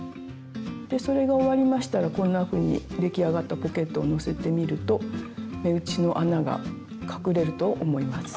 でそれが終わりましたらこんなふうに出来上がったポケットをのせてみると目打ちの穴が隠れると思います。